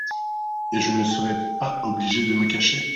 Et je ne serai pas obligé de me cacher ?…